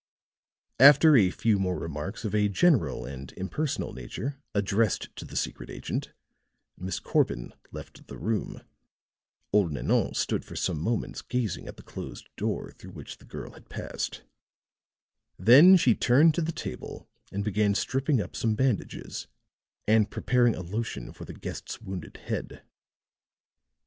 After a few more remarks of a general and impersonal nature addressed to the secret agent, Miss Corbin left the room; old Nanon stood for some moments gazing at the closed door through which the girl had passed; then she turned to the table and began stripping up some bandages and preparing a lotion for the guest's wounded head.